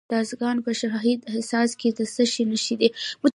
د ارزګان په شهید حساس کې د څه شي نښې دي؟